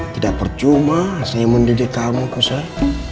tidak percuma saya mendidik kamu ustaz